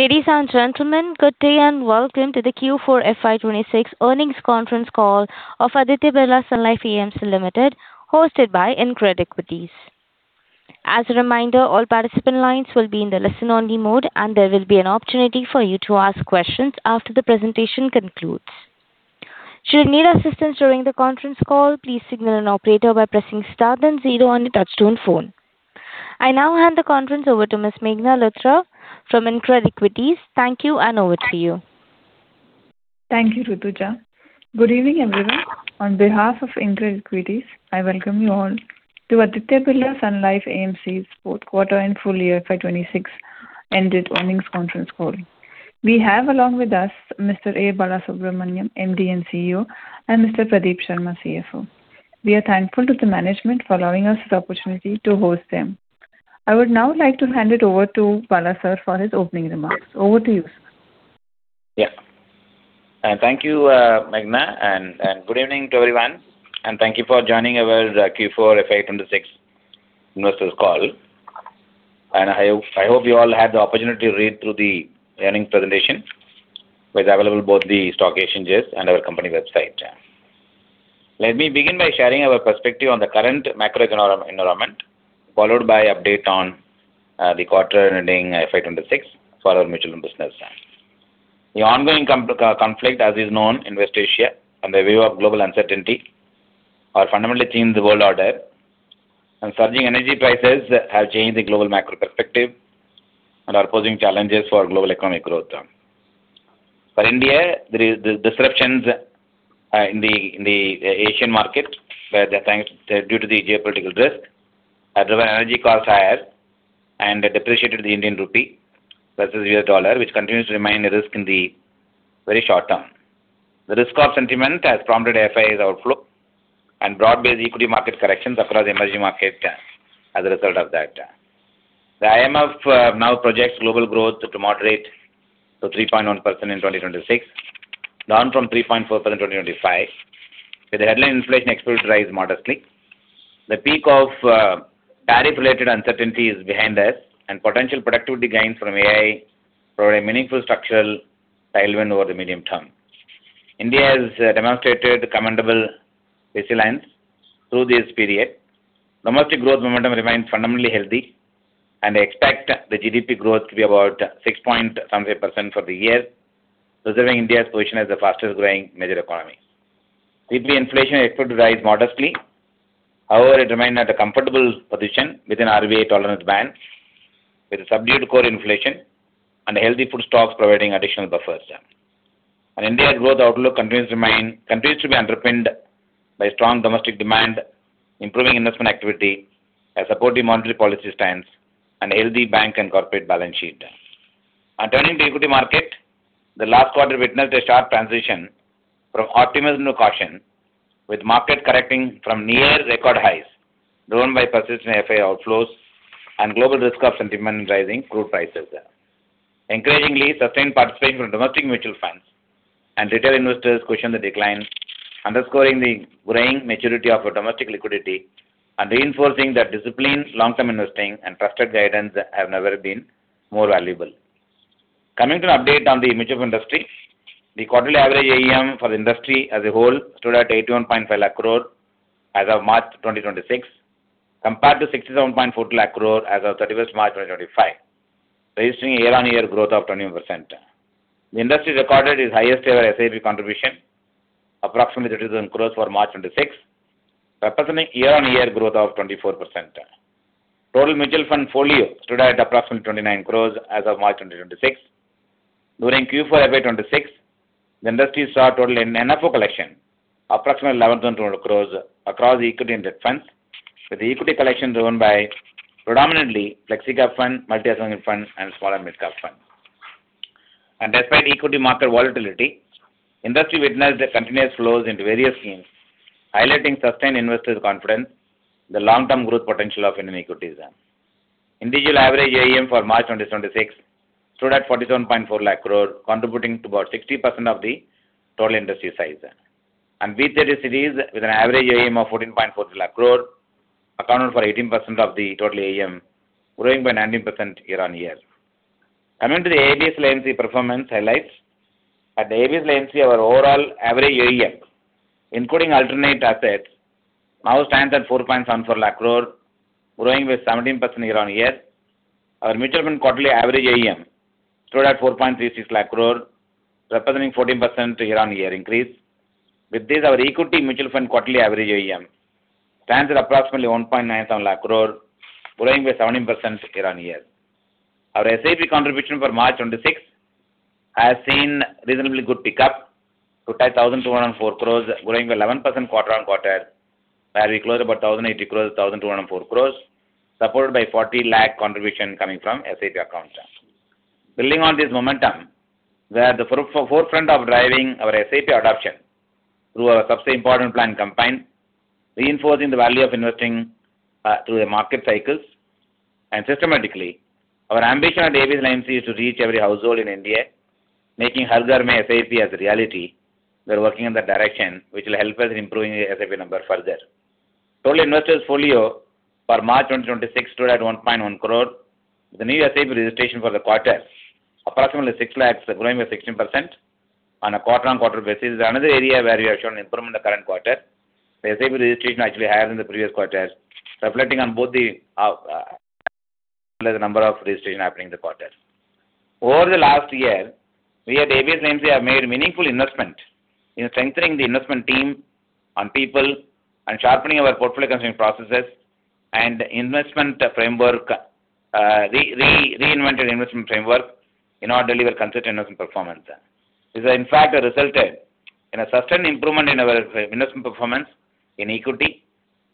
Ladies and gentlemen, good day and welcome to the Q4 FY 2026 earnings conference call of Aditya Birla Sun Life AMC Limited, hosted by InCred Equities. As a reminder, all participant lines will be in the listen-only mode, and there will be an opportunity for you to ask questions after the presentation concludes. Should you need assistance during the conference call, please signal an operator by pressing star, then zero on your touch-tone phone. I now hand the conference over to Ms. Meghna Luthra from InCred Equities. Thank you, and over to you. Thank you, Rutuja. Good evening, everyone. On behalf of InCred Equities, I welcome you all to Aditya Birla Sun Life AMC's fourth quarter and full year FY 2026 ended earnings conference call. We have along with us Mr. A. Balasubramanian, MD and CEO, and Mr. Pradeep Sharma, CFO. We are thankful to the management for allowing us this opportunity to host them. I would now like to hand it over to Bala Sir for his opening remarks. Over to you, sir. Yeah. Thank you, Meghna, and good evening to everyone. Thank you for joining our Q4 FY 2026 investors call. I hope you all had the opportunity to read through the earnings presentation, which is available on both the stock exchanges and our company website. Let me begin by sharing our perspective on the current macroeconomic environment, followed by update on the quarter ending FY 2026 for our mutual business. The ongoing conflict, as is known in West Asia, and the view of global uncertainty are fundamentally changing the world order, and surging energy prices have changed the global macro perspective and are posing challenges for global economic growth. For India, the disruptions in the Asian market due to the geopolitical risk have driven energy costs higher and depreciated the Indian rupee versus U.S. dollar, which continues to remain a risk in the very short term. The risk of sentiment has prompted FII outflow and broad-based equity market corrections across emerging markets as a result of that. The IMF now projects global growth to moderate to 3.1% in 2026, down from 3.4% in 2025, with headline inflation expected to rise modestly. The peak of tariff-related uncertainty is behind us, and potential productivity gains from AI provide a meaningful structural tailwind over the medium term. India has demonstrated commendable resilience through this period. Domestic growth momentum remains fundamentally healthy, and I expect the GDP growth to be about 6 point 100% for the year, preserving India's position as the fastest-growing major economy. Weekly inflation is expected to rise modestly. However, it remained at a comfortable position within RBI tolerance bands, with subdued core inflation and healthy food stocks providing additional buffers. India's growth outlook continues to be underpinned by strong domestic demand, improving investment activity, a supportive monetary policy stance, and healthy bank and corporate balance sheet. Turning to equity market, the last quarter witnessed a sharp transition from optimism to caution, with market correcting from near record highs, driven by persistent FII outflows and global risk-off sentiment and rising crude prices. Encouragingly, sustained participation from domestic mutual funds and retail investors cushion the decline, underscoring the growing maturity of our domestic liquidity and reinforcing that disciplined long-term investing and trusted guidance have never been more valuable. Coming to an update on the mutual fund industry. The quarterly average AUM for the industry as a whole stood at 81.5 lakh crore as of March 2026, compared to 67.4 lakh crore as of 31st March 2025, registering a year-on-year growth of 21%. The industry recorded its highest ever SIP contribution, approximately 30,000 crore for March 2026, representing year-on-year growth of 24%. Total mutual fund folio stood at approximately 29 crore as of March 2026. During Q4 FY 2026, the industry saw total in NFO collection, approximately 11,200 crore across equity and debt funds, with the equity collection driven by predominantly Flexi Cap Fund, Multi-Asset Fund, and Small and Mid-Cap Fund. Despite equity market volatility, industry witnessed the continuous flows into various schemes, highlighting sustained investor confidence in the long-term growth potential of Indian equities. Individual average AUM for March 2026 stood at 47.4 lakh crore, contributing to about 60% of the total industry size. B30, with an average AUM of 14.4 lakh crore, accounted for 18% of the total AUM, growing by 19% year-on-year. Coming to the ABSL AMC performance highlights. At ABSL AMC, our overall average AUM, including alternate assets, now stands at 4.74 lakh crore, growing by 17% year-on-year. Our mutual fund quarterly average AUM stood at 4.36 lakh crore, representing 14% year-on-year increase. With this, our equity mutual fund quarterly average AUM stands at approximately INR 1.97 lakh crore, growing by 17% year-on-year. Our SIP contribution for March 2026 has seen reasonably good pickup to touch 1,204 crore, growing by 11% quarter-on-quarter. Where we closed about 1,080 crore-1,204 crore, supported by 40 lakh contribution coming from SIP accounts. Building on this momentum, we are at the forefront of driving our SIP adoption through our Sabse Important Plan campaign, reinforcing the value of investing through the market cycles. Systematically, our ambition at ABSL AMC is to reach every household in India, making Har Ghar Mein SIP a reality. We're working in that direction, which will help us in improving the SIP number further. Total investors' folio for March 2026 stood at 1.1 crore, with the new SIP registration for the quarter approximately 6 lakhs, growing by 16% on a quarter-on-quarter basis. This is another area where we have shown improvement in the current quarter. The SIP registration actually higher than the previous quarter, reflecting on both the number of registrations happening in the quarter. Over the last year, we at ABSL AMC have made meaningful investment in strengthening the investment team and people and sharpening our portfolio construction processes and the reinvented investment framework in order to deliver consistent investment performance. This has in fact resulted in a sustained improvement in our investment performance in equity,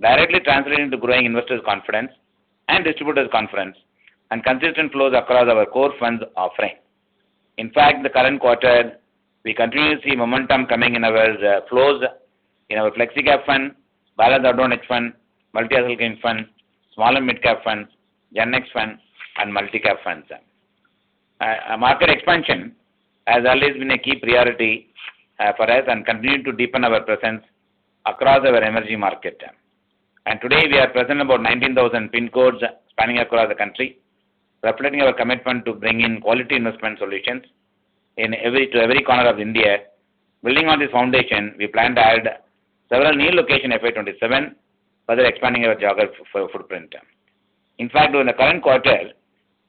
directly translating to growing investors' confidence and distributors' confidence, and consistent flows across our core funds offering. In fact, in the current quarter, we continue to see momentum coming in our flows in our Flexi Cap Fund, Balanced Advantage Fund, Multi-Asset Income Fund, Small and Mid-Cap Fund, Gen Next Fund, and Multi-Cap Funds. Market expansion has always been a key priority for us and we continue to deepen our presence across our emerging markets. Today, we are present in about 19,000 PIN codes spanning across the country, reflecting our commitment to bring in quality investment solutions to every corner of India. Building on this foundation, we plan to add several new locations in FY 2027, further expanding our geographic footprint. In fact, during the current quarter,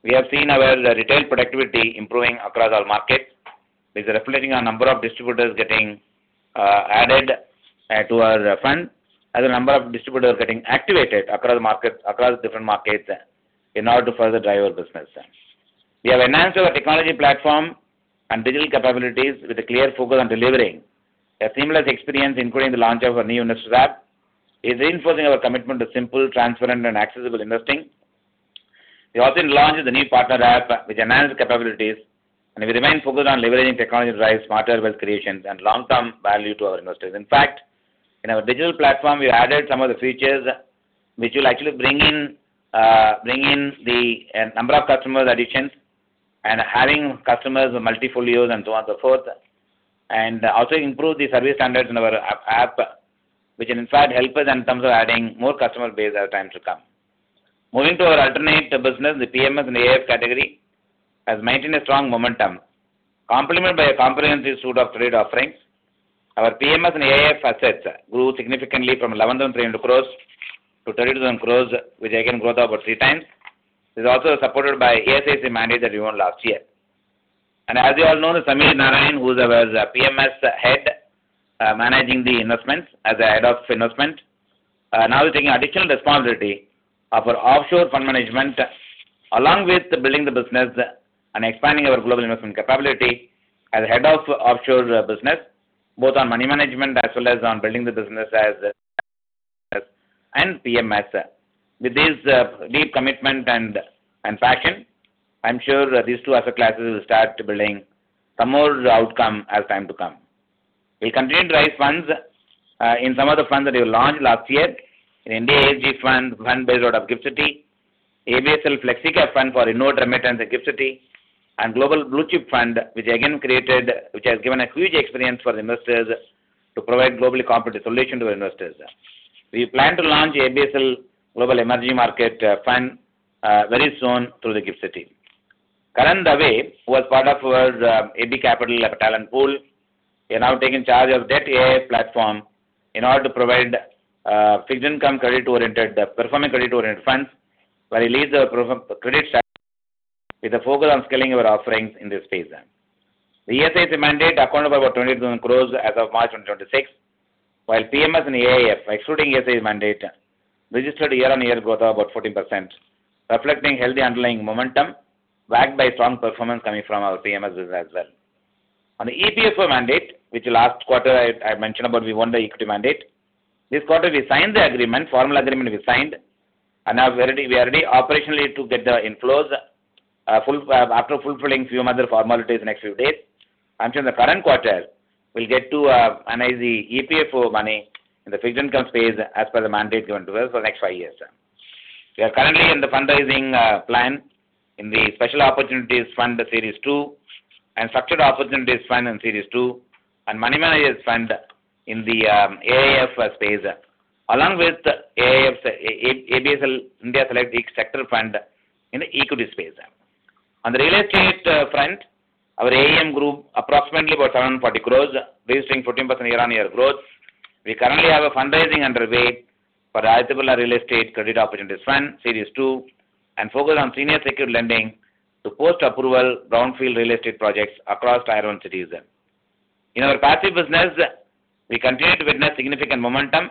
we have seen our retail productivity improving across all markets. This is reflected in the number of distributors getting added to our fold and the number of distributors getting activated across different markets in order to further drive our business. We have enhanced our technology platform and digital capabilities with a clear focus on delivering a seamless experience, including the launch of our new investors app. This is reinforcing our commitment to simple, transparent, and accessible investing. We also launched the new partner app with enhanced capabilities, and we remain focused on leveraging technology to drive smarter wealth creation and long-term value to our investors. In fact, in our digital platform, we added some of the features which will actually bring in the number of customer additions and having customers with multiple folios and so on so forth, and also improve the service standards in our app, which in fact help us in terms of adding more customer base as times to come. Moving to our alternative business, the PMS and AIF category has maintained a strong momentum. Complemented by a comprehensive suite of trade offerings, our PMS and AIF assets grew significantly from 11,300 crore to 30,000 crore, which again growth of about 3x, is also supported by IFSC mandate that we won last year. As you all know, Sameer Narayan, who was PMS head, managing the investments as the head of investment, now is taking additional responsibility of our offshore fund management, along with building the business and expanding our global investment capability as head of offshore business, both on money management as well as on building the business as AIF and PMS. With his deep commitment and passion, I'm sure these two asset classes will start building some more outcome as time to come. We'll continue to raise funds in some of the funds that we launched last year in India Advantage Fund run out of GIFT City, ABSL Flexi Cap Fund for inward remit and the GIFT City, and Global Bluechip Fund, which has given a huge experience for investors to provide globally competitive solution to our investors. We plan to launch ABSL Global Emerging Market Fund very soon through the GIFT City. Karan Dave, who was part of our Aditya Birla Capital talent pool, is now taking charge of debt AIF platform in order to provide fixed income credit oriented, performing credit oriented funds, where he leads our credit strategy with a focus on scaling our offerings in this space. The ESIC mandate accounted for about 20,000 crore as of March 2026. While PMS and AIF, excluding ESIC mandate, registered year-on-year growth of about 14%, reflecting healthy underlying momentum backed by strong performance coming from our PMS business as well. On the EPFO mandate, which last quarter I mentioned about, we won the equity mandate. This quarter we signed the formal agreement, and now we are ready operationally to get the inflows after fulfilling few other formalities in next few days. I'm sure in the current quarter, we'll get to finance the EPFO money in the fixed income space as per the mandate given to us for the next five years. We are currently in the fundraising plan in the Special Opportunities Fund Series II and Structured Opportunities Fund in Series II and money managers fund in the AIF space along with ABSL India Select Sector Fund in the equity space. On the real estate front, our AUM grew approximately about 740 crore, registering 14% year-on-year growth. We currently have a fundraising underway for Aditya Birla Real Estate Credit Opportunities Fund Series II, and focus on senior secured lending to post-approval brownfield real estate projects across Tier 1 cities. In our passive business, we continue to witness significant momentum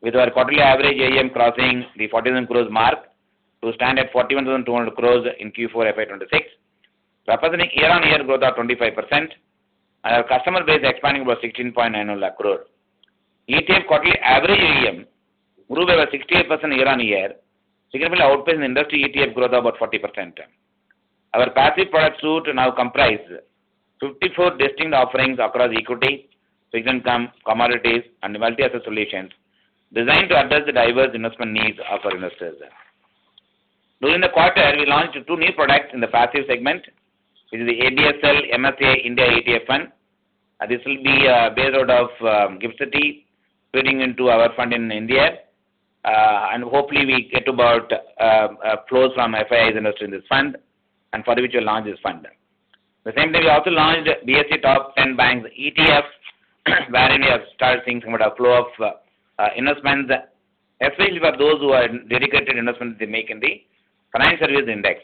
with our quarterly average AUM crossing the 40,000 crore mark to stand at 41,200 crore in Q4 FY 2026, representing year-on-year growth of 25%, our customer base expanding about 16.9 lakh. ETF quarterly average AUM grew by over 68% year-on-year, significantly outpacing the industry ETF growth of about 40%. Our passive product suite now comprise 54 distinct offerings across equity, fixed income, commodities, and multi-asset solutions designed to address the diverse investment needs of our investors. During the quarter, we launched two new products in the passive segment. It is the ABSL MSCI India ETF Fund. This will be based out of GIFT City, feeding into our fund in India. Hopefully we get inflows from FIIs invested in this fund and for which we'll launch this fund. The same day, we also launched BSE Top 10 Banks ETF, wherein we have started seeing some inflow of investments, especially for those who make dedicated investments in the financial services index.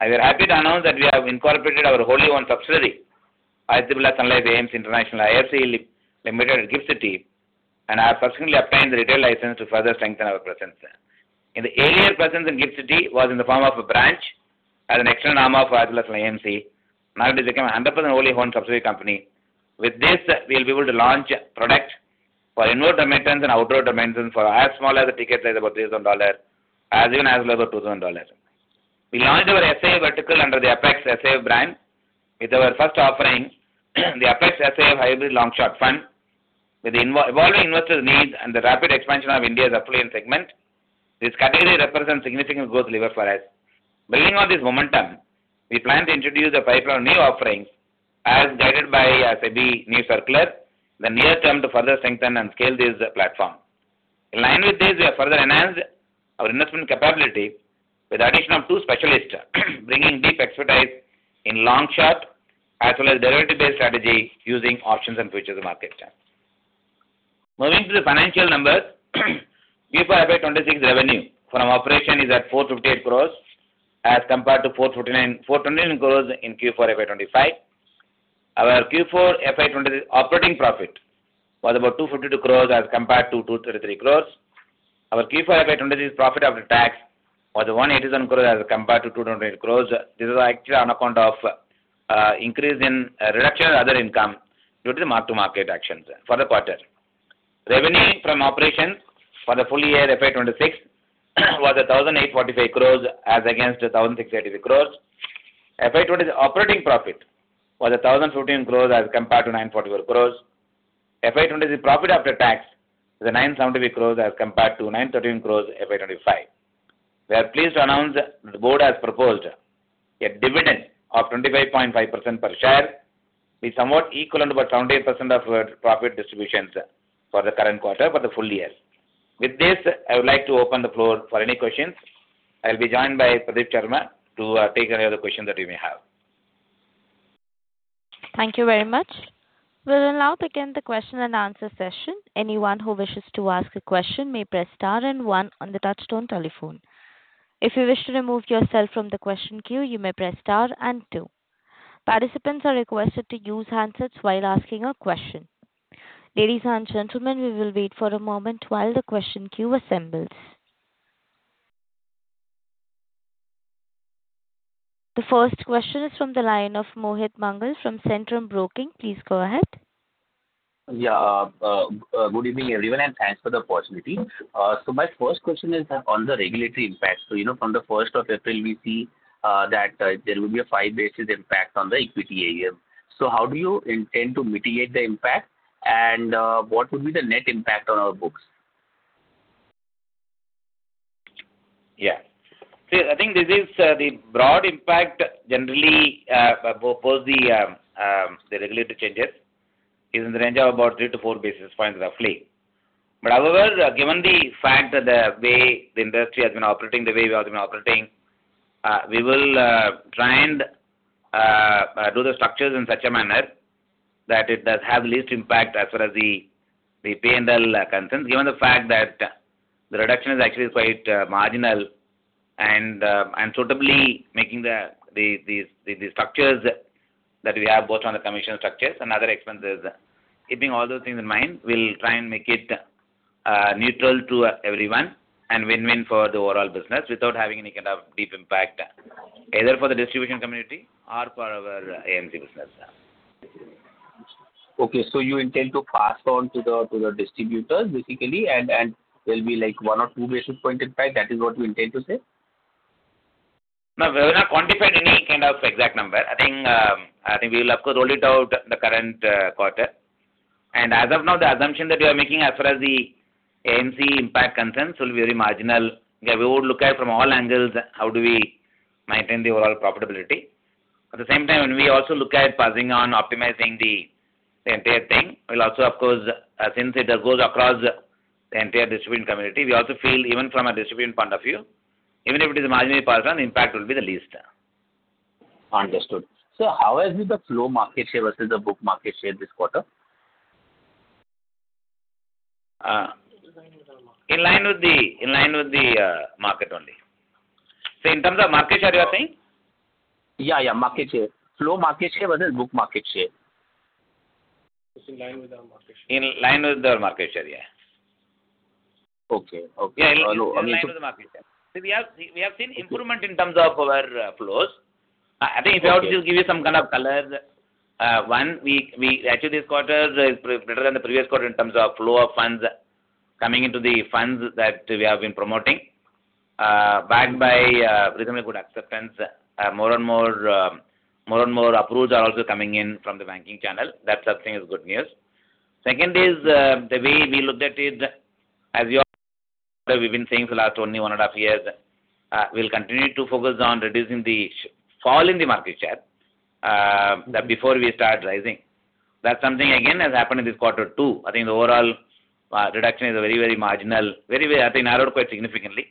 We are happy to announce that we have incorporated our wholly owned subsidiary, Aditya Birla Sun Life AMC International (IFSC) Limited GIFT City, and have successfully obtained the retail license to further strengthen our presence. Our earlier presence in GIFT City was in the form of a branch as an extended arm of Aditya Birla Sun Life AMC. Now it has become 100% wholly owned subsidiary company. With this, we'll be able to launch product for inward remittance and outward remittance for as small as a ticket size about $3,000, as even as low as $2,000. We launched our SIF vertical under the ABSL SIF brand with our first offering, the ABSL SIF Hybrid Long Short Fund. With the evolving investor's needs and the rapid expansion of India's AIF segment, this category represents significant growth lever for us. Building on this momentum, we plan to introduce a pipeline of new offerings as guided by SEBI new circular in the near term to further strengthen and scale this platform. In line with this, we have further enhanced our investment capability with addition of two specialists bringing deep expertise in long short as well as derivative-based strategy using options and futures market. Moving to the financial numbers. Q4 FY 2026 revenue from operations is at 428 crores as compared to 429 crores in Q4 FY 2025. Our Q4 FY 2026 operating profit was about 252 crores as compared to 233 crores. Our Q4 FY 2026 profit after tax was 187 crores as compared to 228 crores. This is actually on account of reduction in other income due to the mark-to-market actions for the quarter. Revenue from operations for the full year FY 2026 was 1,845 crores as against 1,683 crores. FY 2026 operating profit was 1,014 crores as compared to 944 crores. FY 2026 profit after tax is 970 crores as compared to 913 crores in FY 2025. We are pleased to announce that the board has proposed a dividend of 25.5% per share, being somewhat equivalent to about 78% of our profit distributions for the full year. With this, I would like to open the floor for any questions. I'll be joined by Pradeep Sharma to take any other questions that you may have. Thank you very much. We'll now begin the question and answer session. Anyone who wishes to ask a question may press star and one on the touch-tone telephone. If you wish to remove yourself from the question queue, you may press star and two. Participants are requested to use handsets while asking a question. Ladies and gentlemen, we will wait for a moment while the question queue assembles. The first question is from the line of Mohit Mangal from Centrum Broking. Please go ahead. Yeah. Good evening, everyone, and thanks for the opportunity. My first question is on the regulatory impact. From the 1st of April, we see that there will be a five basis impact on the equity AUM. How do you intend to mitigate the impact and what would be the net impact on our books? Yeah. See, I think this is the broad impact generally, post the regulatory changes is in the range of about 3-4 basis points, roughly. Otherwise, given the fact that the way the industry has been operating, the way we have been operating, we will try and do the structures in such a manner that it does have least impact as far as the P&L are concerned, given the fact that the reduction is actually quite marginal and suitably making the structures that we have both on the commission structures and other expenses. Keeping all those things in mind, we'll try and make it neutral to everyone and win-win for the overall business without having any kind of deep impact either for the distribution community or for our AMC business. Okay, you intend to pass on to the distributors basically and there'll be 1 or 2 basis point impact, that is what you intend to say? No, we have not quantified any kind of exact number. I think we will of course roll it out the current quarter. As of now, the assumption that we are making as far as the AMC impact concerns will be very marginal. We would look at from all angles, how do we maintain the overall profitability. At the same time, when we also look at passing on optimizing the entire thing, we'll also of course, since it goes across the entire distribution community, we also feel even from a distribution point of view, even if it is marginally passed on, the impact will be the least. Understood. How has been the flow market share versus the book market share this quarter? In line with the market only. In terms of market share you are saying? Yeah. Market share. Flow market share versus book market share. It's in line with our market share. In line with our market share, yeah. Okay. Yeah, in line with the market share. We have seen improvement in terms of our flows. I think if we have to give you some kind of color, one, we actually this quarter is better than the previous quarter in terms of flow of funds coming into the funds that we have been promoting, backed by reasonably good acceptance. More and more approvals are also coming in from the banking channel. That certainly is good news. Second is the way we looked at it. As you're aware, we've been saying for the last one and a half years, we'll continue to focus on reducing the fall in the market share before we start rising. That's something again has happened this quarter too. I think the overall reduction is very marginal. Very, I think narrowed quite significantly.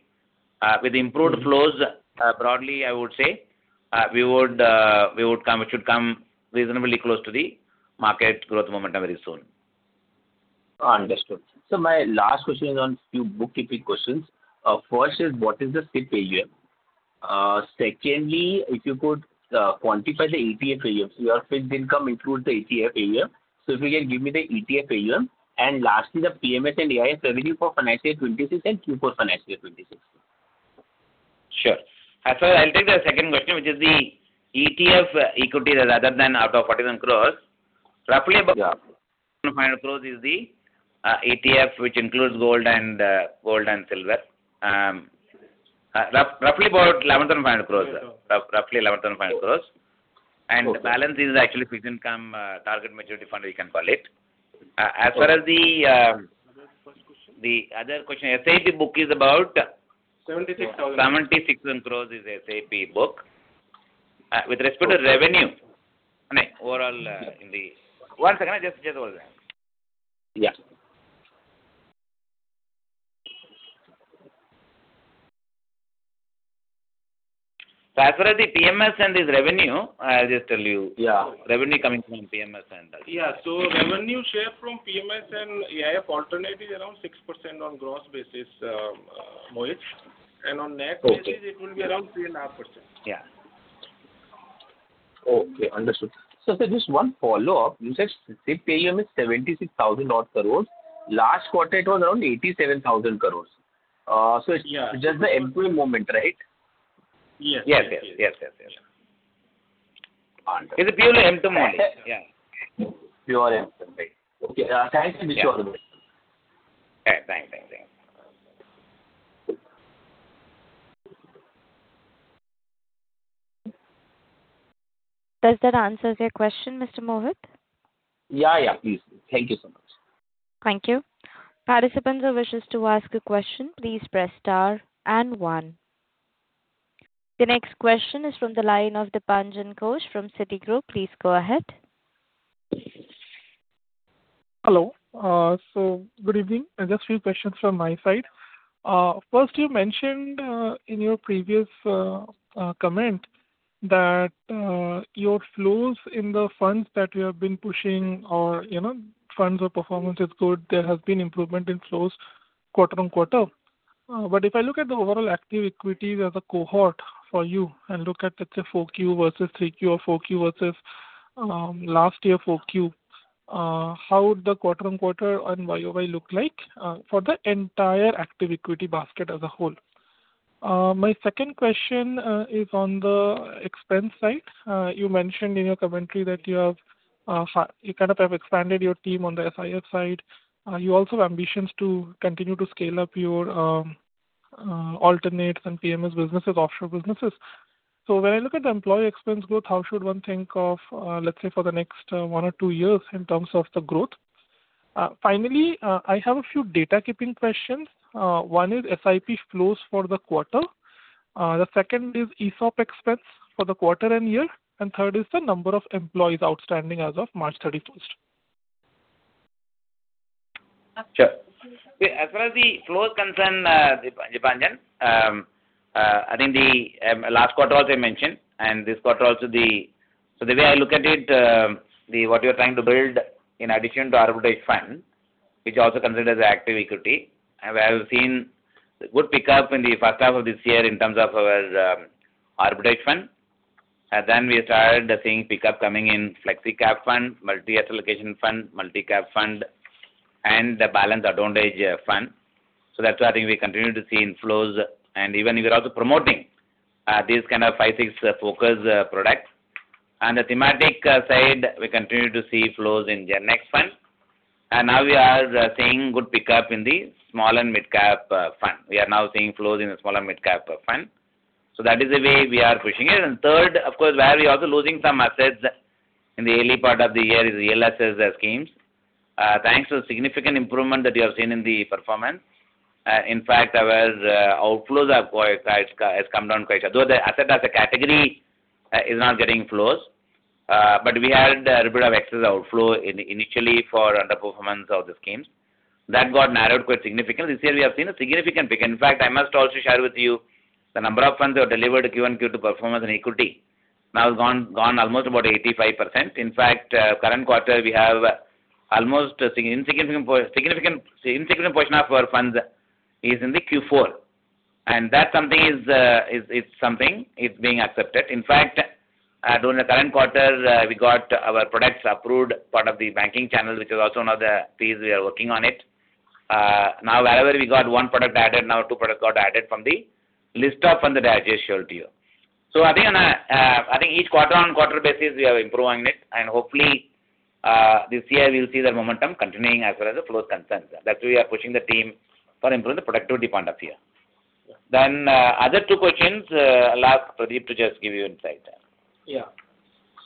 With improved flows, broadly, I would say, it should come reasonably close to the market growth momentum very soon. Understood. My last question is on few bookkeeping questions. First is what is the SIP AUM? Secondly, if you could quantify the ETF AUM. Your fixed income includes the ETF AUM. If you can give me the ETF AUM, and lastly, the PMS and AIF revenue for financial year 2026 and Q4 financial year 2026. Sure. As well, I'll take the second question, which is the ETF equities rather than out of 47 crore. Roughly about Yeah. crores is the ETF, which includes gold and silver. Roughly about 11,500 crore. Okay. The balance is actually fixed income, target maturity fund we can call it. As far as the- What was the first question? The other question, SIP book is about. 76,000. 76 crores is SIP book. With respect to revenue. One second, just Yeah. As far as the PMS and its revenue, I just tell you. Yeah. Revenue coming from PMS and that. Revenue share from PMS and AIF alternate is around 6% on gross basis, Mohit. On net- Okay. basis, it will be around 3.5%. Yeah. Okay, understood. Sir, just one follow-up. You said SIP AUM is INR 76,000 odd crores. Last quarter, it was around 87,000 crores. It's- Yeah. Just the MTM movement, right? Yes. Yes. Yes. Understood. It's a pure MTM model. Yeah. Pure MTM. Right. Okay. Thanks for the additional information. Yeah. Thanks. Does that answer your question, Mr. Mohit? Yeah. Please. Thank you so much. Thank you. Participants who wish to ask a question, please press star and one. The next question is from the line of Deepanjan Ghosh from Citigroup. Please go ahead. Hello. Good evening. Just few questions from my side. First, you mentioned, in your previous comment that your flows in the funds that you have been pushing or funds or performance is good. There has been improvement in flows quarter-on-quarter. But if I look at the overall active equity as a cohort for you and look at, let's say, 4Q versus 3Q or 4Q versus last year 4Q, how would the quarter-on-quarter and YoY look like for the entire active equity basket as a whole? My second question is on the expense side. You mentioned in your commentary that you kind of have expanded your team on the SIF side. You also have ambitions to continue to scale up your alternatives and PMS businesses, offshore businesses. When I look at the employee expense growth, how should one think of, let's say, for the next one or two years in terms of the growth? Finally, I have a few data-keeping questions. One is SIP flows for the quarter. The second is ESOP expense for the quarter and year, and third is the number of employees outstanding as of March 31st. Sure. As far as the flow is concerned, Deepanjan, I think the last quarter also I mentioned, and this quarter also. The way I look at it, what we're trying to build in addition to Arbitrage Fund, which also considered as active equity. We have seen good pickup in the first half of this year in terms of our Arbitrage Fund. We started seeing pickup coming in Flexi Cap Fund, Multi-Asset Allocation Fund, Multi-Cap Fund, and the Balanced Advantage Fund. That's why I think we continue to see inflows and even we are also promoting these kind of five, six focus products. The thematic side, we continue to see flows in Gen Next Fund. Now we are seeing good pickup in the Small and Mid-Cap Fund. We are now seeing flows in the Small and Mid-Cap Fund. That is the way we are pushing it. Third, of course, where we're also losing some assets in the early part of the year is ELSS schemes. Thanks to the significant improvement that we have seen in the performance. In fact, our outflows has come down quite. Though the asset as a category is not getting flows. We had a little bit of excess outflow initially for underperformance of the schemes. That got narrowed quite significantly. This year we have seen a significant pick. In fact, I must also share with you the number of funds we have delivered Q1, Q2 performance in equity now has gone almost about 85%. In fact, current quarter, we have almost insignificant portion of our funds is in the Q4. That is something it's being accepted. In fact, during the current quarter, we got our products approved, part of the banking channel, which is also another piece we are working on it. Now wherever we got one product added, now two products got added from the list of funds that I just showed to you. I think each quarter-on-quarter basis, we are improving it. Hopefully, this year we'll see that momentum continuing as far as the flow is concerned. That's why we are pushing the team for improving the productivity point of view. Other two questions, I'll ask Pradeep to just give you insight there. Yeah.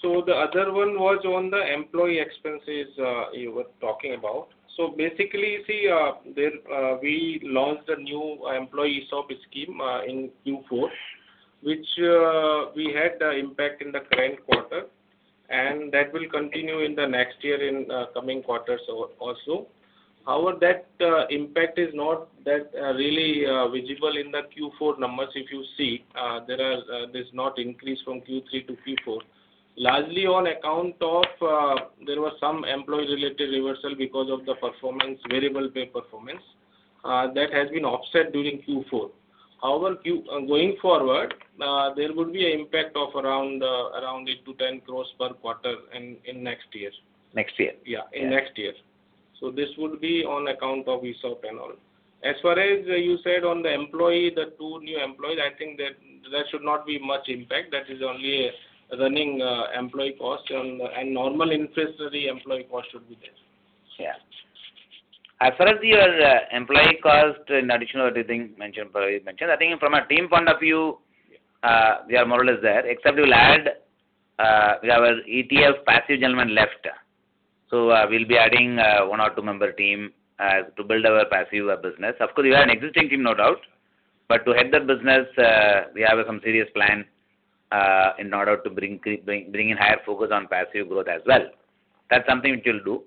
The other one was on the employee expenses you were talking about. Basically, we launched a new employee ESOP scheme in Q4, which we had the impact in the current quarter, and that will continue in the next year in coming quarters also. However, that impact is not that really visible in the Q4 numbers. If you see, there's no increase from Q3 to Q4. Largely on account of, there were some employee-related reversal because of the variable pay performance. That has been offset during Q4. However, going forward, there would be an impact of around 8 crores-10 crores per quarter in next year. Next year? Yeah, in next year. This would be on account of ESOP and all. As far as you said on the employee, the two new employees, I think that should not be much impact. That is only a running employee cost and normal inflationary employee cost should be there. Yeah. As far as your employee cost and additional everything Pradeep mentioned, I think from a team point of view, we are more or less there, except we will add. We have an ETF passive gentleman left. We'll be adding one or two member team to build our passive business. Of course, we have an existing team, no doubt. To head that business, we have some serious plan in order to bring in higher focus on passive growth as well. That's something which we'll do.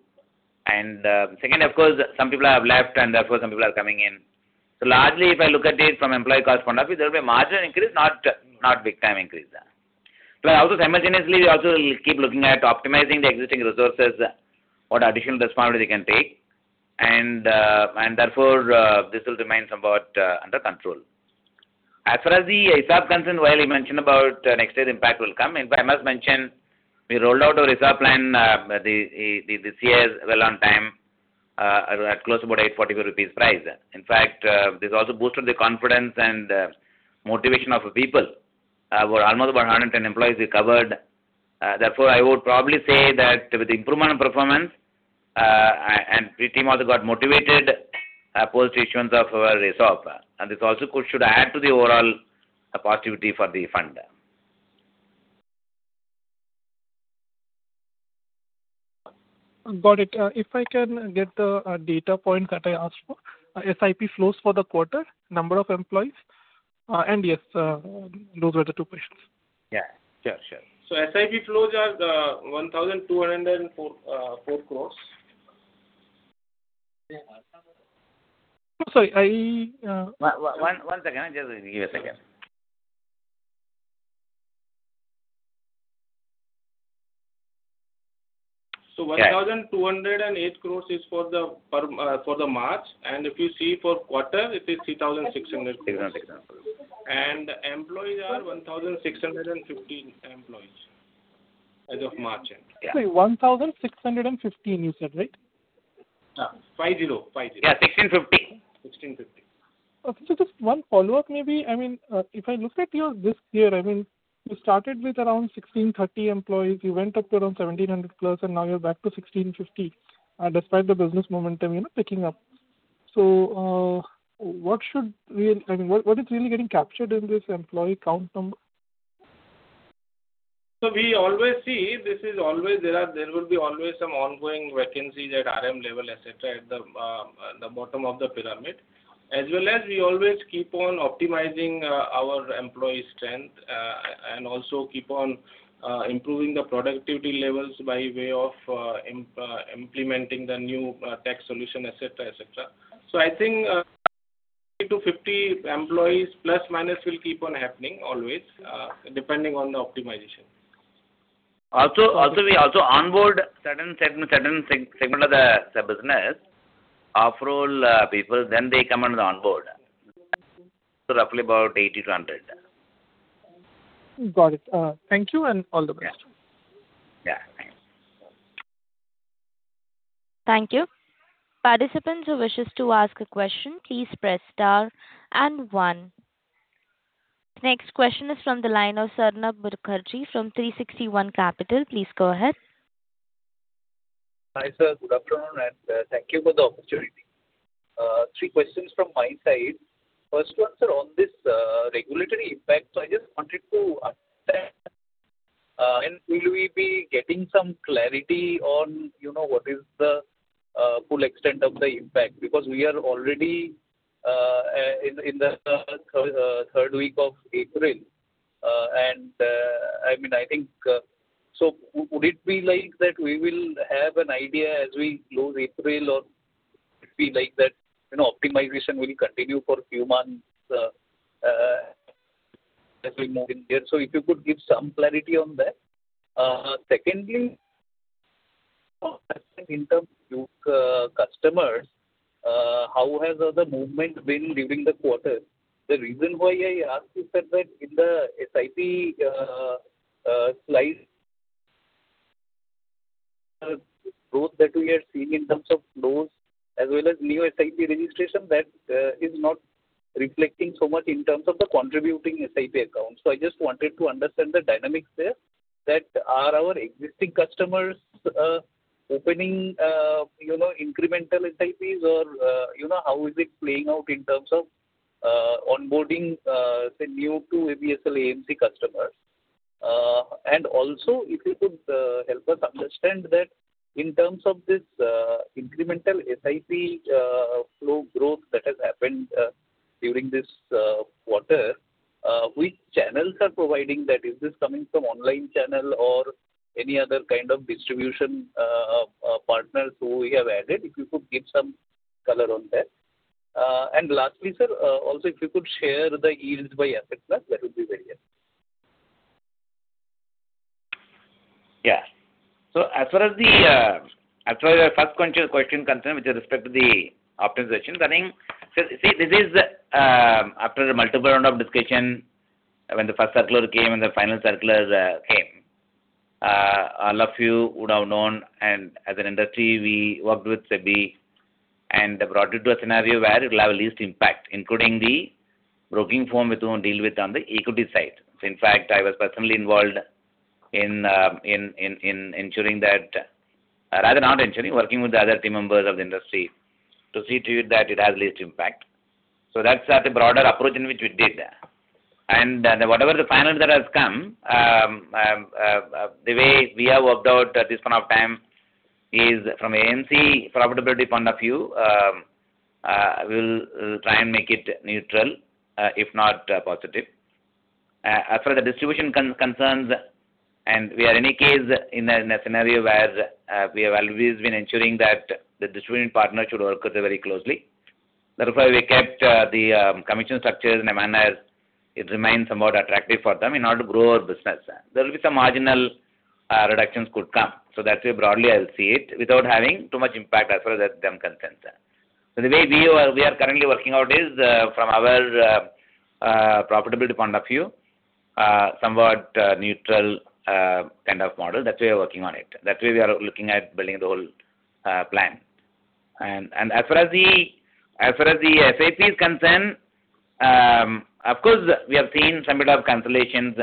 Second, of course, some people have left, and of course some people are coming in. Largely, if I look at it from employee cost point of view, there will be a marginal increase, not big time increase. Also simultaneously, we also will keep looking at optimizing the existing resources, what additional responsibility they can take, and therefore this will remain somewhat under control. As far as the ESOP concern, while he mentioned about next year's impact will come, in fact, I must mention, we rolled out our ESOP plan this year well on time, at close about 845 rupees price. In fact, this also boosted the confidence and motivation of our people. Almost about 110 employees we covered. Therefore, I would probably say that with the improvement in performance, and our team also got motivated post issuance of our ESOPs. This also should add to the overall positivity for the fund. Got it. If I can get the data point that I asked for, SIP flows for the quarter, number of employees, and yes, those were the two questions. Yeah. Sure. SIP flows are 1,204 crores. Sorry, I- One second. Just give me a second. 1,208 crores is for the March, and if you see for quarter, it is 3,600 crores. Employees are 1,615 employees as of March end. Sorry, 1,615 you said, right? Yeah. 50. Yeah, 1,650. 1650. Okay. Just one follow-up maybe. If I look at your this year, you started with around 1630 employees, you went up to around 1700 plus, and now you're back to 1650, despite the business momentum picking up. What is really getting captured in this employee count number? We always see there will be always some ongoing vacancies at RM level, et cetera, at the bottom of the pyramid. As well as we always keep on optimizing our employee strength, and also keep on improving the productivity levels by way of implementing the new tax solution, et cetera. I think 30-50 employees, plus minus, will keep on happening always, depending on the optimization. We also onboard certain segment of the business, off-role people, then they come under the onboard. Roughly about 80-100. Got it. Thank you and all the best. Yeah. Thanks. Thank you. Participants who wish to ask a question, please press star and one. Next question is from the line of Sarna Mukherjee from 360 ONE Capital. Please go ahead. Hi, sir. Good afternoon, and thank you for the opportunity. Three questions from my side. First one, sir, on this regulatory impact. I just wanted to understand, and will we be getting some clarity on what is the full extent of the impact? Because we are already in the third week of April. Would it be like that we will have an idea as we close April or would it be like that optimization will continue for few months as we move in there? If you could give some clarity on that. Secondly, I think in terms of customers, how has the movement been during the quarter? The reason why I ask you, sir, that in the SIP slide, growth that we are seeing in terms of loans as well as new SIP registration, that is not reflecting so much in terms of the contributing SIP accounts. I just wanted to understand the dynamics there. Are our existing customers opening incremental SIPs or how is it playing out in terms of onboarding the new-to-ABSL AMC customers? If you could help us understand that in terms of this incremental SIP flow growth that has happened during this quarter, which channels are providing that? Is this coming from online channel or any other kind of distribution partners who we have added? If you could give some color on that. Lastly, sir, also if you could share the yield by asset class, that would be very helpful. Yeah. As far as your first question is concerned with respect to the optimization running, see, this is after a multiple round of discussion when the first circular came and the final circular came. All of you would have known, and as an industry, we worked with SEBI and brought it to a scenario where it will have least impact, including the broking firm with whom we deal with on the equity side. In fact, I was personally involved in working with the other team members of the industry to see to it that it has least impact. That's the broader approach in which we did. Whatever the final that has come, the way we have worked out at this point in time is from AMC profitability point of view, we will try and make it neutral, if not positive. As far as the distribution is concerned, in any case we are in a scenario where we have always been ensuring that the distribution partner should work with us very closely. Therefore, we kept the commission structures in a manner that it remains somewhat attractive for them in order to grow our business. There will be some marginal reductions that could come. That way broadly I will see it without having too much impact as far as they are concerned. The way we are currently working out is from our profitability point of view, somewhat neutral kind of model. That's why we're working on it. That way we are looking at building the whole plan. As far as the SIP is concerned, of course, we have seen a bit of cancellations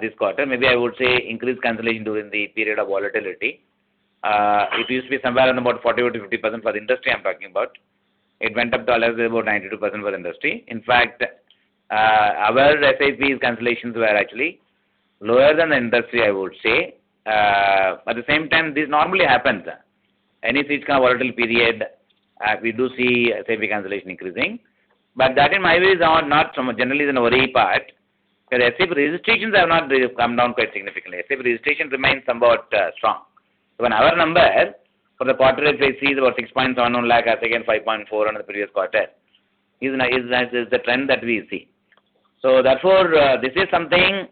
this quarter, maybe I would say increased cancellations during the period of volatility. It used to be somewhere around about 40%-50% for the industry, I'm talking about. It went up to as about 92% for the industry. In fact, our SIPs cancellations were actually lower than the industry, I would say. At the same time, this normally happens in any such kind of volatile period. We do see SIP cancellation increasing. That in my view is not generally a worrying part, because SIP registrations have not come down quite significantly. SIP registration remains somewhat strong. When our number for the quarter SIP is about 6.71 lakh as against 5.4 lakh on the previous quarter, is the trend that we see. Therefore, this is something,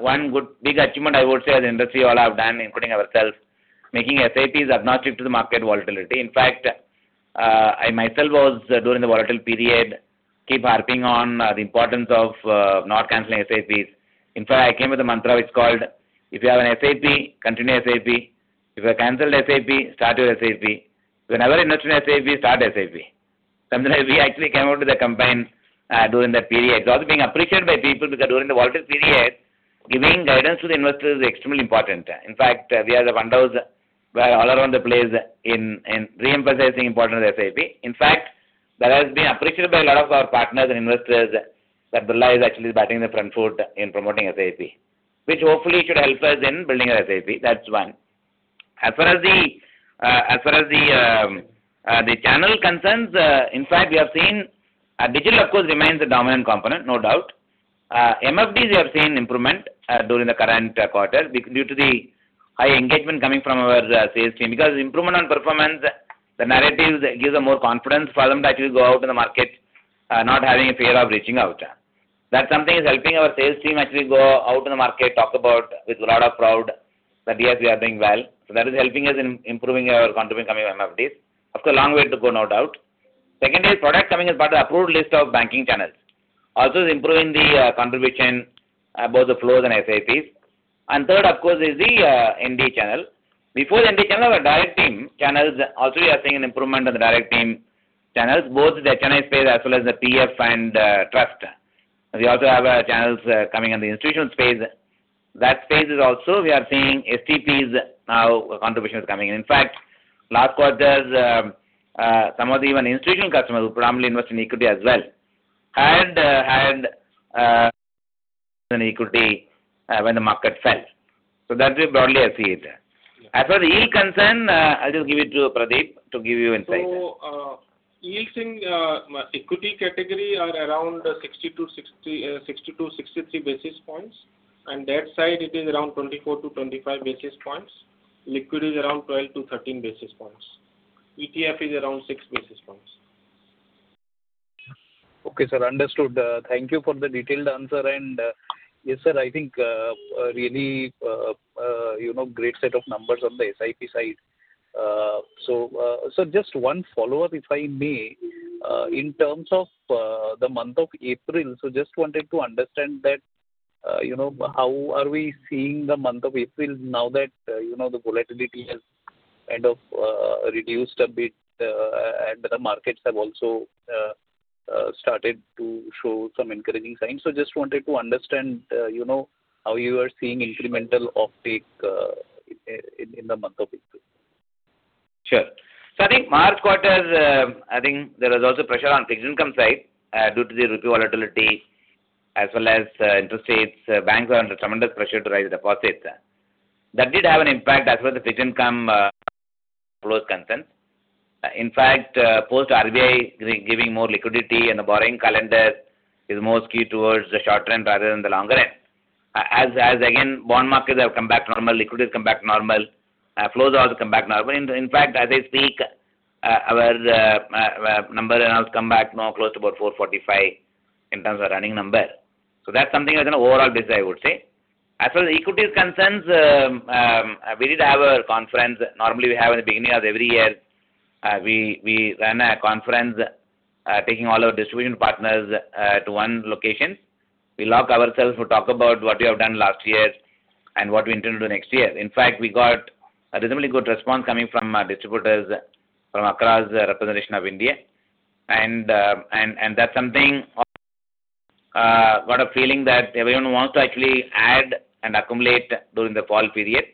one good big achievement I would say as an industry all have done, including ourselves, making SIPs oblivious to the market volatility. In fact, I myself was during the volatile period keep harping on the importance of not canceling SIPs. In fact, I came with a mantra, which is called, "If you have an SIP, continue SIP. If you have canceled SIP, start your SIP. If you have never invested in SIP, start SIP." Something like we actually came out with the campaign during that period. It's also being appreciated by people because during the volatile period, giving guidance to the investors is extremely important. In fact, we are the one house where all around the place we're re-emphasizing importance of SIP. In fact, that has been appreciated by a lot of our partners and investors that Birla is actually batting on the front foot in promoting SIP, which hopefully should help us in building our SIP. That's one. As far as the channels are concerned, in fact, we have seen digital, of course, remains the dominant component, no doubt. MFDs we have seen improvement during the current quarter due to the high engagement coming from our sales team, because improvement on performance, the narratives gives a more confidence for them to actually go out in the market, not having a fear of reaching out. That's something helping our sales team actually go out in the market, talk about with a lot of pride that, yes, we are doing well. So that is helping us in improving our contribution coming from MFDs. Of course, a long way to go, no doubt. Secondary product coming as part of approved list of banking channels also is improving the contribution, both the flows and SIPs. Third, of course, is the ND channel. Before the ND channel, our direct team channels also we are seeing an improvement on the direct team channels, both the HNI space as well as the PF and trust. We also have channels coming in the institutional space. That space is also we are seeing STPs now contribution is coming in. In fact, last quarters, some of the even institutional customers who probably invest in equity as well had an equity when the market fell. That way broadly I see it. As far as the yield concern, I'll just give it to Pradeep to give you insight. Yields in equity category are around 62-63 basis points, and debt side it is around 24-25 basis points. Liquid is around 12-13 basis points. ETF is around 6 basis points. Okay, sir. Understood. Thank you for the detailed answer. Yes, sir, I think really great set of numbers on the SIP side. Just one follow-up, if I may. In terms of the month of April, so just wanted to understand that how are we seeing the month of April now that the volatility has kind of reduced a bit, and the markets have also started to show some encouraging signs. Just wanted to understand how you are seeing incremental offtake in the month of April. Sure. I think March quarter, I think there was also pressure on fixed income side due to the rupee volatility as well as interest rates. Banks were under tremendous pressure to raise deposits. That did have an impact as far as the fixed income flow is concerned. In fact, post RBI giving more liquidity and the borrowing calendar is more skewed towards the short run rather than the longer run. As again, bond markets have come back to normal, liquidity has come back to normal, flows have also come back normal. In fact, as I speak, our number has come back now close to about 445 in terms of running number. That's something that's an overall picture, I would say. As far as equities concerns, we did have a conference. Normally, we have in the beginning of every year, we run a conference, taking all our distribution partners to one location. We lock ourselves to talk about what we have done last year and what we intend to do next year. In fact, we got a reasonably good response coming from our distributors from across the representation of India. That's something. I got a feeling that everyone wants to actually add and accumulate during the fall period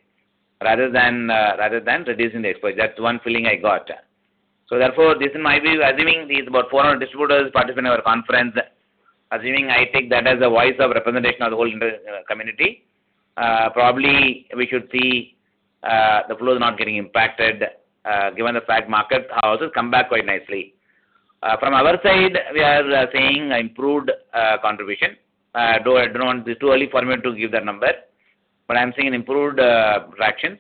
rather than reducing the exposure. That's one feeling I got. Therefore, this is my view, assuming there are about 400 distributors participate in our conference, assuming I take that as a voice of representation of the whole industry community, probably we should see the flows not getting impacted. Given the fact the market has also come back quite nicely. From our side, we are seeing improved contribution, though it's too early for me to give that number, but I'm seeing an improved traction.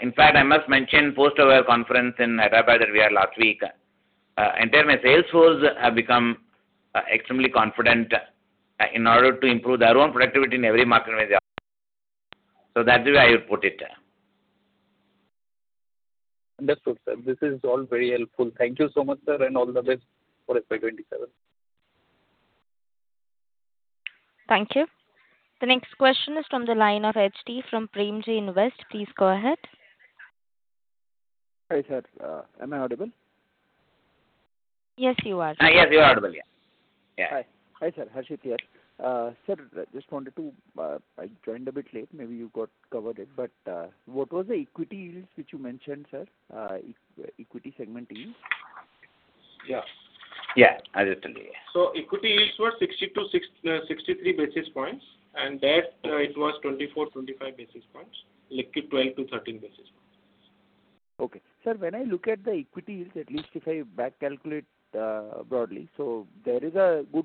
In fact, I must mention post our conference in Hyderabad that we had last week, entire my sales force have become extremely confident in order to improve their own productivity in every market. That's the way I would put it. Understood, sir. This is all very helpful. Thank you so much, sir, and all the best for FY 2027. Thank you. The next question is from the line of HT from Premji Invest. Please go ahead. Hi, sir. Am I audible? Yes, you are, sir. Yes, you are audible. Yeah. Hi, sir. Harshit here. Sir, just wanted to. I joined a bit late. Maybe you covered it, but, what was the equity yields which you mentioned, sir? Equity segment yields? Yeah. [inaudible] Equity yields were 62-63 basis points, and debt it was 24-25 basis points, liquid 12-13 basis points. Sir, when I look at the equity yields, at least if I back calculate broadly, there is around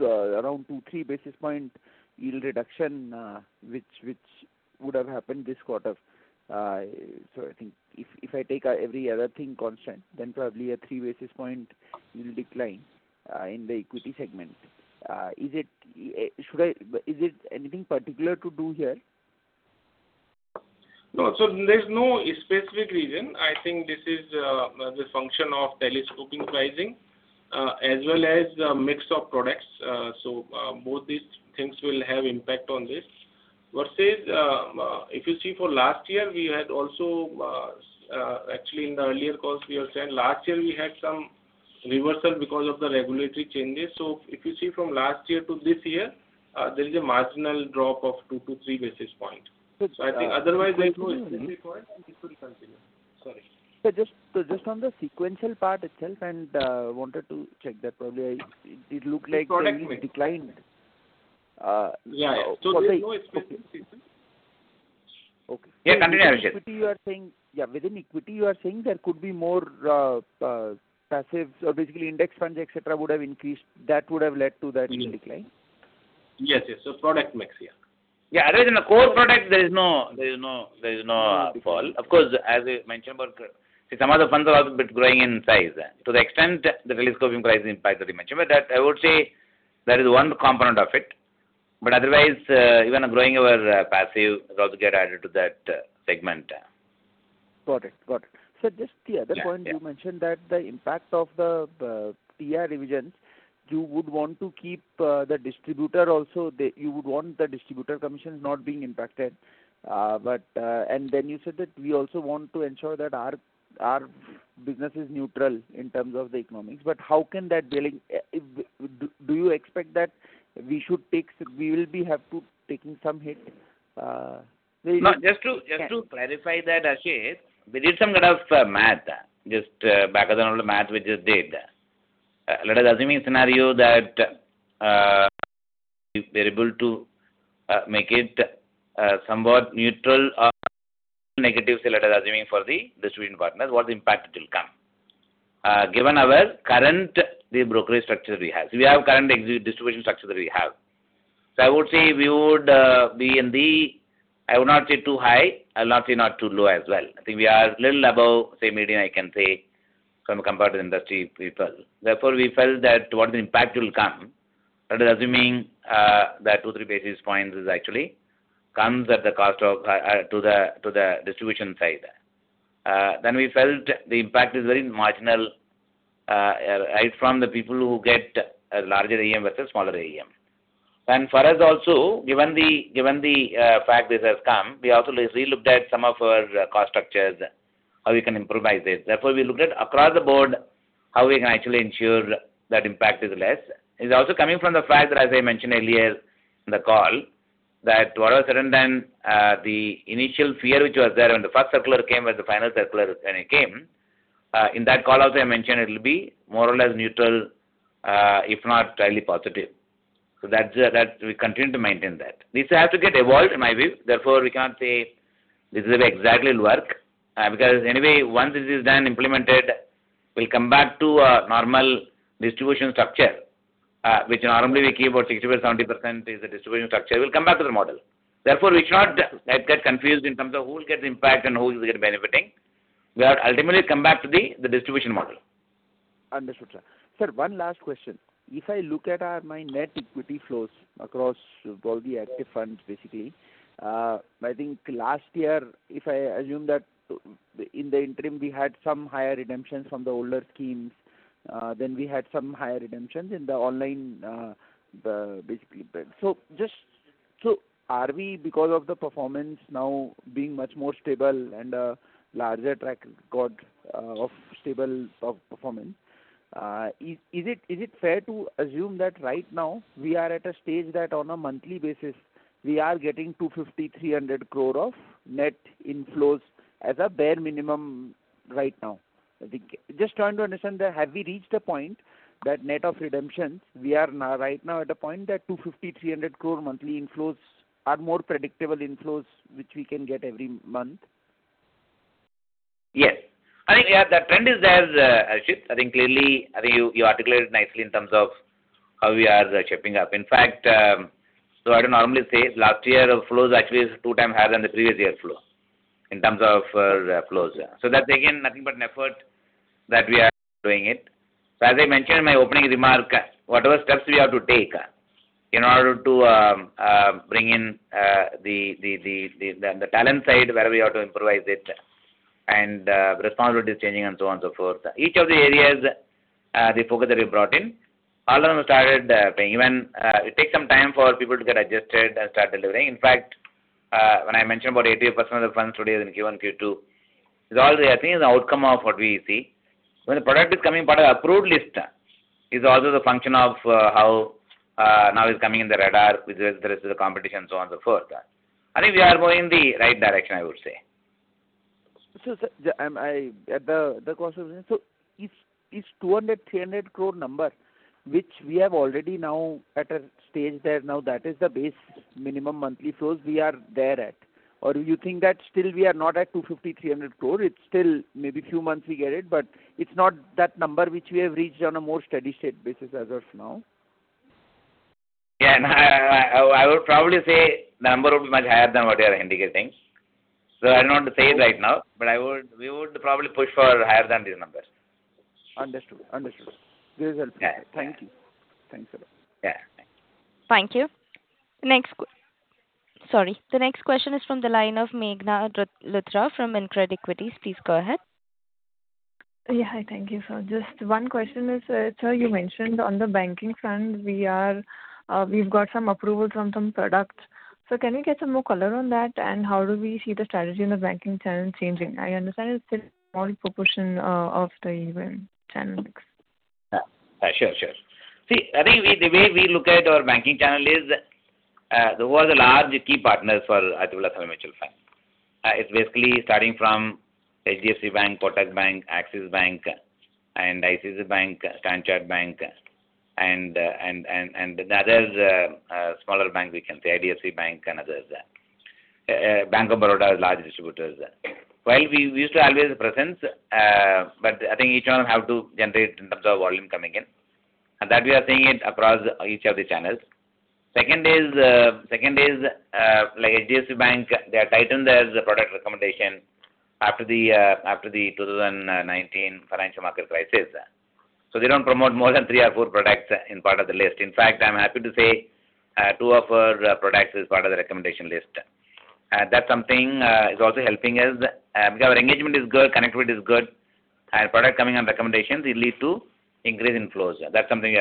2-3 basis points yield reduction, which would have happened this quarter. I think if I take every other thing constant, then probably a 3 basis points decline in the equity segment. Is it anything particular to do here? No. There's no specific reason. I think this is the function of telescoping pricing as well as the mix of products. Both these things will have impact on this. Versus if you see for last year, actually, in the earlier calls we have said last year we had some reversal because of the regulatory changes. If you see from last year to this year, there is a marginal drop of 2-3 basis points. I think otherwise and it will continue. Sorry. Sir, just on the sequential part itself and wanted to check that probably it looked like. It's a product mix. Decline. Yeah. There's no exposure. Okay. Yeah, continue, Harshit. Within equity you are saying there could be more passives or basically index funds, et cetera, would have led to that yield decline? Yes. Product mix, yeah. Yeah. Otherwise, in the core product, there is no fall. Of course, as we mentioned about, see, some of the funds are also a bit growing in size to the extent the telescoping pricing impact that we mentioned. That I would say that is one component of it. Otherwise, even growing our passive will also get added to that segment. Got it. Sir, just the other point you mentioned that the impact of the TER revisions, you would want to keep the distributor also. You would want the distributor commission not being impacted. Then you said that we also want to ensure that our business is neutral in terms of the economics. How can that really? Do you expect that we will have to take some hit? No. Just to clarify that, Harshit, we did some kind of math. Just back of the envelope math we just did. Let us assume a scenario that if we're able to make it somewhat neutral or negative, say, let us assume for the distribution partners, what's the impact it will come? Given our current brokerage structure we have. We have current distribution structure that we have. I would say we would be in the, I would not say too high, I'll not say not too low as well. I think we are little above, say, median, I can say compared to the industry people. Therefore, we felt that what the impact will come, that is assuming that 2, 3 basis points is actually comes at the cost to the distribution side. We felt the impact is very marginal from the people who get a larger AUM versus smaller AUM. For us also, given the fact this has come, we also re-looked at some of our cost structures, how we can improve this. Therefore, we looked at, across the board, how we can actually ensure that impact is less. It is also coming from the fact that, as I mentioned earlier in the call, that all said and done, the initial fear which was there when the first circular came, when the final circular then came, in that call as I mentioned, it will be more or less neutral, if not slightly positive. We continue to maintain that. This has to get evolved in my view. Therefore, we can't say this is the way exactly it'll work, because anyway, once this is done, implemented, we'll come back to a normal distribution structure, which normally we keep about 60%-70% is the distribution structure. We'll come back to the model. Therefore, we should not get confused in terms of who will get impacted and who is getting benefited. We have ultimately come back to the distribution model. Understood, sir. Sir, one last question. If I look at my net equity flows across all the active funds, basically, I think last year, if I assume that in the interim, we had some higher redemptions from the older schemes, then we had some higher redemptions in the online, basically. Are we, because of the performance now being much more stable and a larger track record of stable performance, at a stage that on a monthly basis, we are getting 250 crore-300 crore of net inflows as a bare minimum right now? Just trying to understand have we reached a point that net of redemptions, we are right now at a point that 250 crore-300 crore monthly inflows are more predictable inflows which we can get every month? Yes. I think the trend is there, Harshit. I think clearly you articulated it nicely in terms of how we are shaping up. In fact, so I can normally say last year our flows actually is two times higher than the previous year flow in terms of flows. That's again, nothing but an effort that we are doing it. As I mentioned in my opening remark, whatever steps we have to take in order to bring in the talent side, where we have to improvise it, and responsibility is changing and so on, so forth. Each of the areas, the focus that we brought in, all of them started paying. Even it take some time for people to get adjusted and start delivering. In fact, when I mentioned about 88% of the funds today is in Q1, Q2, is all I think is the outcome of what we see. When the product is coming part of approved list, is also the function of how now it's coming in the radar with the rest of the competition, so on and so forth. I think we are going in the right direction, I would say. Is 200 crore-300 crore number, which we have already now at a stage there now that is the base minimum monthly flows we are there at? Or do you think that still we are not at 250 crore-300 crore, it's still maybe few months we get it, but it's not that number which we have reached on a more steady state basis as of now? Yeah. I would probably say the number would be much higher than what you are indicating. I don't want to say it right now, but we would probably push for higher than these numbers. Understood. Very well. Yeah. Thank you. Thanks a lot. Yeah. Thank you. Thank you. Sorry. The next question is from the line of Meghna Luthra from InCred Equities. Please go ahead. Yeah. Hi, thank you, sir. Just one question is, sir, you mentioned on the banking front, we've got some approval from some products. Can we get some more color on that, and how do we see the strategy in the banking channel changing? I understand it's still small proportion of the overall channel mix. Sure. See, I think the way we look at our banking channel is, those were the large key partners for Aditya Birla Sun Life AMC. It's basically starting from HDFC Bank, Kotak Bank, Axis Bank, and ICICI Bank, Standard Chartered Bank, and the other smaller bank, we can say IDFC Bank and others. Bank of Baroda is large distributors. While we used to always presence, but I think each one have to generate in terms of volume coming in. That we are seeing it across each of the channels. Second is, like HDFC Bank, they have tightened their product recommendation after the 2019 financial market crisis. They don't promote more than three or four products in part of the list. In fact, I'm happy to say two of our products is part of the recommendation list. That's something that is also helping us, because our engagement is good, connectivity is good, and product coming on recommendations will lead to increase in flows. That's something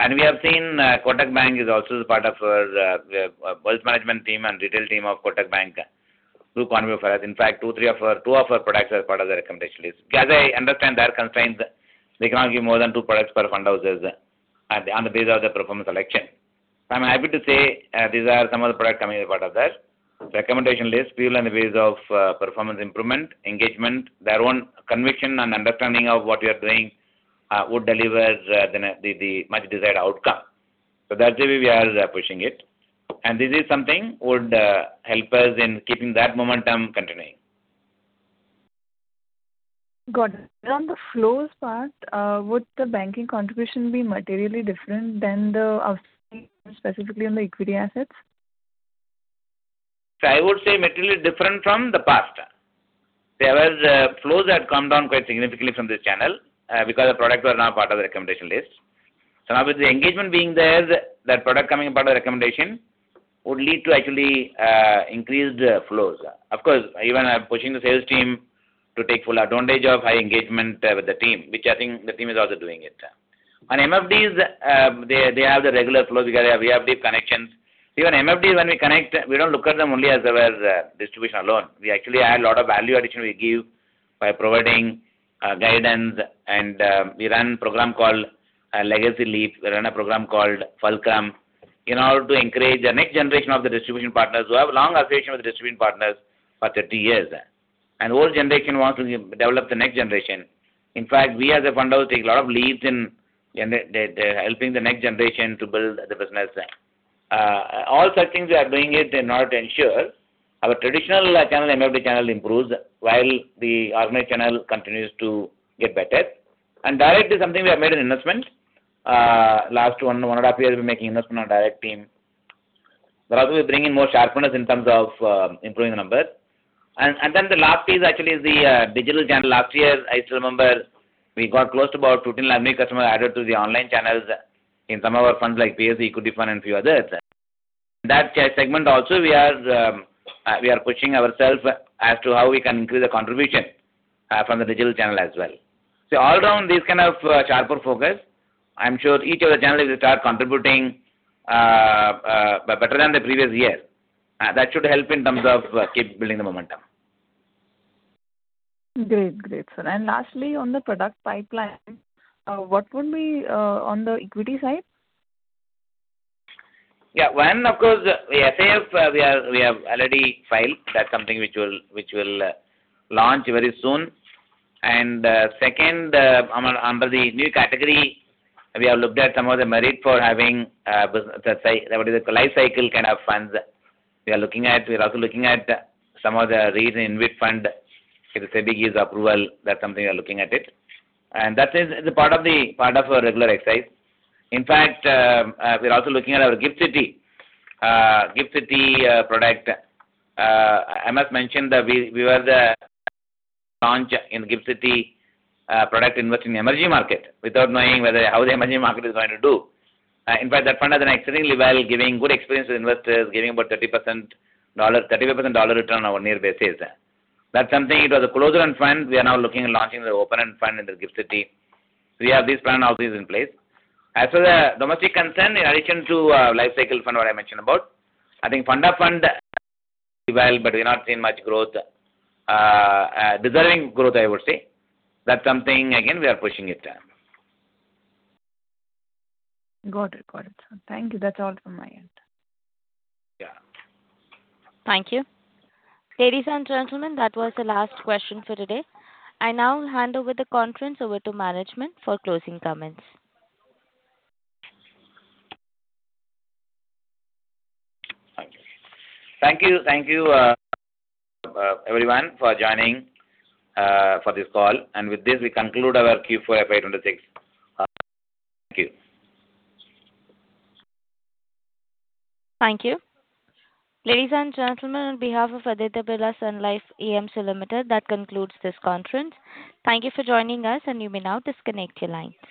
we are seeing. We have seen Kotak Bank is also part of our wealth management team and retail team of Kotak Bank too. In fact, two of our products are part of the recommendations list. They can't give more than two products. [inaudible] I'm happy to say. [inaudible] The recommendation list we learnt a bit of performance improvement, engagament on reaching and understanding of what we are doing would deliver the much desired outcome. Actually we are pushing it and this is something on the hypers in keeping the momentum continuing. Got it. On the flows part, would the banking contribution be materially different than the past specifically on the equity assets? I would say materially different from the past. There were flows that came down quite significantly from this channel, because the product was not part of the recommendation list. Now with the engagement being there, that product coming in part of recommendation would lead to actually increased flows. Of course, even pushing the sales team to take full advantage of high engagement with the team, which I think the team is also doing it. On MFDs, they have the regular flows because we have deep connections. Even MFDs, when we connect, we don't look at them only as distribution alone. We actually add a lot of value addition we give by providing guidance, and we run a program called Legacy Leap. We run a program called Fulcrum in order to encourage the next generation of the distribution partners who have long association with distribution partners for 30 years. Old generation wants to develop the next generation. In fact, we as a fund house take a lot of leaps in helping the next generation to build the business. All such things we are doing it in order to ensure our traditional channel, MFD channel improves, while the alternate channel continues to get better. Direct is something we have made an investment. Last one and a half years, we're making investments in direct team, but also we bring in more sharpeners in terms of improving the numbers. Then the last piece actually is the digital channel. Last year, I still remember we got close to about 1,500 customers added to the online channels in some of our funds like PSU Equity Fund and few others. That segment also, we are pushing ourselves as to how we can increase the contribution from the digital channel as well. All around, this kind of sharper focus, I'm sure each of the channels will start contributing better than the previous year. That should help in terms of keep building the momentum. Great, sir. Lastly, on the product pipeline, what would be on the equity side? Yeah. One, of course, the SIF we have already filed. That's something which we'll launch very soon. Second, under the new category, we have looked at some of the merits for having what is it? Life-cycle kind of funds. We are also looking at some of the reasons why funds SEBI gives approval. That's something we are looking at it. That is the part of our regular exercise. In fact, we're also looking at our GIFT City. GIFT City product. MS mentioned that we were to launch in GIFT City product investing in emerging markets, without knowing how the emerging markets are going to do. In fact, that fund has done exceedingly well, giving good experience to investors, giving about 35% dollar return on a one-year basis. That's something. It was a close-ended fund. We are now looking at launching the open-end fund in the GIFT City. We have this plan also is in place. As for the domestic funds, in addition to life cycle fund, what I mentioned about, I think fund of funds well, but we're not seeing much growth. Decent growth, I would say. That's something, again, we are pushing it. Got it. Got it, sir. Thank you. That's all from my end. Yeah. Thank you. Ladies and gentlemen, that was the last question for today. I now hand over the conference to management for closing comments. Thank you. Thank you everyone for joining for this call. With this, we conclude our Q4 FY 2026. Thank you. Thank you. Ladies and gentlemen, on behalf of Aditya Birla Sun Life AMC Limited, that concludes this conference. Thank you for joining us, and you may now disconnect your line.